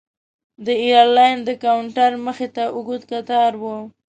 د ایرلاین د کاونټر مخې ته اوږد کتار و.